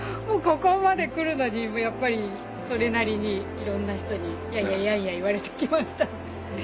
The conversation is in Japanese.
もうここまで来るのにやっぱりそれなりにいろんな人にやんややんや言われてきました。